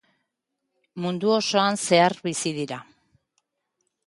Mundu osoan zehar bizi dira.